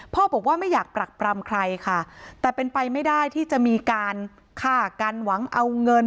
บอกว่าไม่อยากปรักปรำใครค่ะแต่เป็นไปไม่ได้ที่จะมีการฆ่ากันหวังเอาเงิน